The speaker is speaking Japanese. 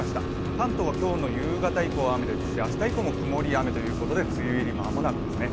関東は今日の夕方以降雨ですし、明日以降も曇りや雨ということで梅雨入り、間もなくですね。